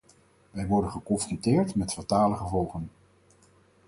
Wij worden geconfronteerd met fatale gevolgen.